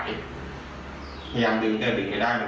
พยายามดึงแต่ดึงให้ได้รอบ